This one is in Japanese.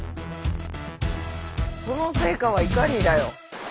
その成果はいかにだよ。